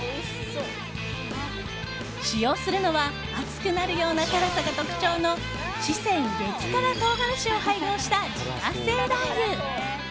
使用するのは熱くなるような辛さが特徴の四川激辛唐辛子を配合した自家製ラー油。